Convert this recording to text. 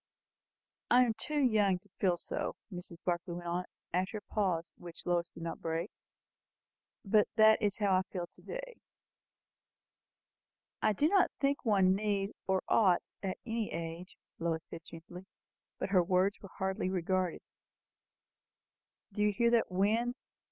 I am too young to feel so," Mrs. Barclay went on, after a pause which Lois did not break; "but that is how I feel to day." "I do not think one need or ought at any age," Lois said gently; but her words were hardly regarded. "Do you hear that wind?"